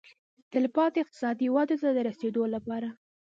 تلپاتې اقتصادي ودې ته د رسېدو لپاره.